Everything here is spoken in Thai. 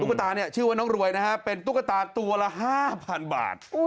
ตุ๊กตาชื่อว่าน้องรวยนะครับเป็นตุ๊กตาตัวละ๕๐๐๐บาท